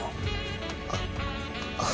あっああ